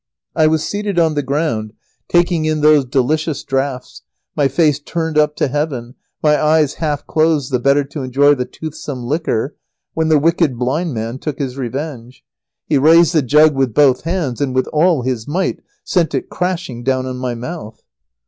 I was seated on the ground, taking in those delicious draughts, my face turned up to heaven, my eyes half closed the better to enjoy the toothsome liquor, when the wicked blind man took his revenge. He raised the jug with both hands, and, with all his might, sent it crashing down on my mouth.